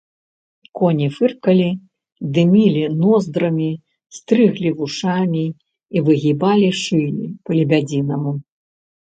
Коні фыркалі, дымілі ноздрамі, стрыглі вушамі і выгібалі шыі па-лебядзінаму.